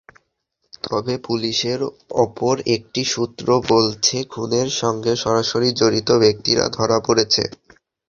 তবে পুলিশের অপর একটি সূত্র বলছে, খুনের সঙ্গে সরাসরি জড়িত ব্যক্তিরা ধরা পড়েছে।